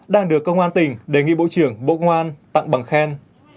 đang được công an tỉnh đề nghị bộ trưởng bộ công an tặng bằng khen